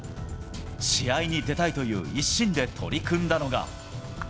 試合に出たいという一心で取り組んだのが。